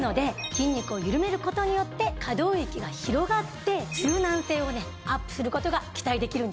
筋肉を緩める事によって可動域が広がって柔軟性をねアップする事が期待できるんですよ。